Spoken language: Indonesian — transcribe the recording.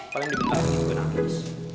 paling diperhatikan nangis